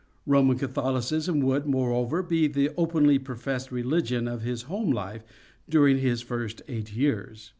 Roman Catholicism would, moreover, be the openly professed religion of his home life during his first eight years.